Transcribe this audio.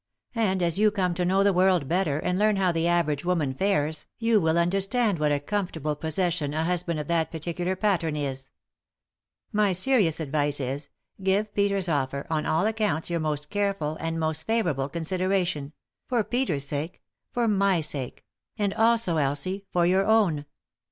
And as you come to know the world better, and learn how the average woman fares, you will understand what a comfortable possession a husband of that particular pattern is. My serious advice is — give Peter's offer, on all accounts, your most careful, and most favourable, consideration — for Peter's sake, for my sake ; and also, Elsie, for your own.